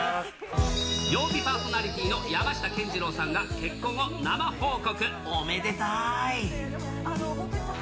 曜日パーソナリティーの山下健二郎さんが結婚を生報告。